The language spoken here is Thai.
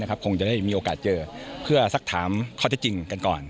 คงจะได้มีโอกาสเจอเพื่อสักถามข้อเท็จจริงกันก่อน